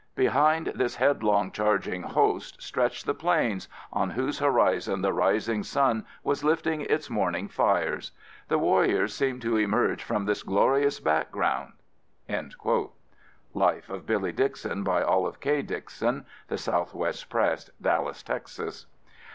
Behind this head long charging host stretched the Plains, on whose horizon the rising sun was lifting its morning fires. The warriors seemed to emerge from this glorious background." (Life of Billy Dixon, by Olive K. Dixon, The Southwest Press, Dallas, Texas.)